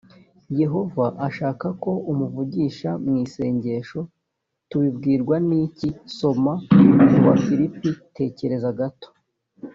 yehova ashaka ko umuvugisha mu isengesho tubibwirwa n iki soma mu bafilipi tekereza gato